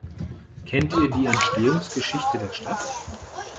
Kennt ihr die Entstehungsgeschichte der Stadt?